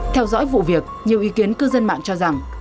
theo dõi vụ việc nhiều ý kiến cư dân mạng cho rằng